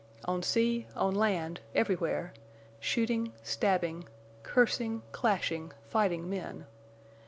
On sea, on land, everywhere—shooting, stabbing, cursing, clashing, fighting men!